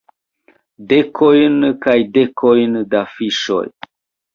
Dekojn kaj dekojn da fiŝoj.